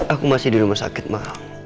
aku masih dirumah sakit ma